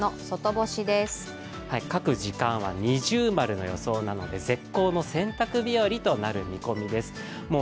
各時間は◎の予想なので絶好の洗濯日和となる見込みです。